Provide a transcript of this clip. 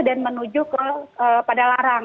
dan menuju ke padalarang